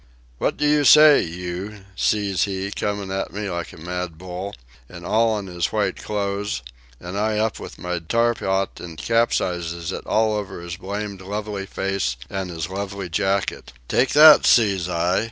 'What do you say, you !' seez he, comin' at me like a mad bull... all in his white clothes; and I up with my tar pot and capsizes it all over his blamed lovely face and his lovely jacket.... 'Take that!' seez I.